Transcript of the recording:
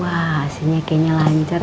wah aslinya kayaknya lancar